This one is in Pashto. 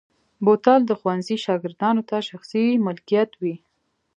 بوتل د ښوونځي شاګردانو ته شخصي ملکیت وي.